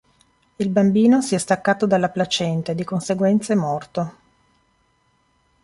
Il bambino si è staccato dalla placenta e di conseguenza è morto.